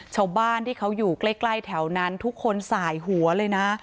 ชาวบ้านที่เขาอยู่ใกล้แถวนั้นทุกคนสายหัวเลยนะ